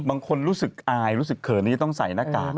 บางคนรู้สึกอายรู้สึกเขินที่จะต้องใส่หน้ากาก